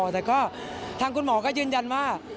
แต่ก็ทางคุณหมอก็ยืนยันว่า